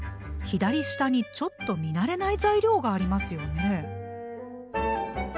左下にちょっと見慣れない材料がありますよね。